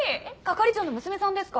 係長の娘さんですか？